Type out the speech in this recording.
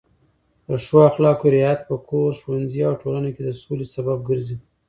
د ښو اخلاقو رعایت په کور، ښوونځي او ټولنه کې د سولې سبب ګرځي.